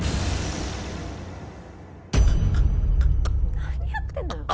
何やってるのよ。